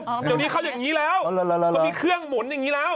เดี๋ยวนี้เข้าอย่างนี้แล้วเรามีเครื่องหมุนอย่างนี้แล้ว